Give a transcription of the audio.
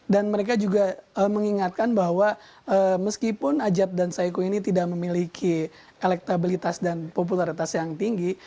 dan mereka juga mengingatkan bahwa meskipun ajat dan saiko ini tidak memiliki elektabilitas dan popularitas yang tinggi